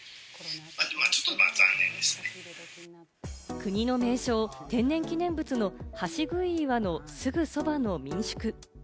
国の名勝、天然記念物の橋杭岩のすぐそばの民宿。